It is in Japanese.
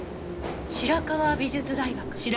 白河美術大学。